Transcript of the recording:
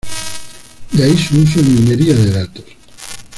De ahí su uso en minería de datos.